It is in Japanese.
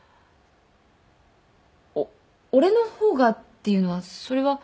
おっ俺の方がっていうのはそれは。